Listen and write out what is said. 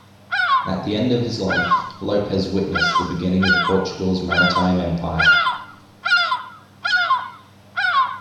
At the end of his life, Lopes witnessed the beginning of Portugal's maritime empire.